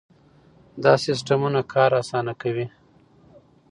دا سیستمونه کار اسانه کوي.